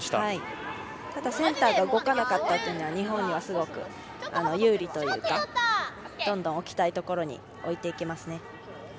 でもただセンターが動かなかったっていうのは、日本にはすごく有利というか、どんどん置きたいところに置いていきます。